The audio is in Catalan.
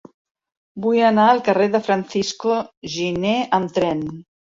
Vull anar al carrer de Francisco Giner amb tren.